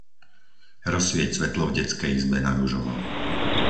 Rozsvieť svetlo v detskej izbe na ružovo.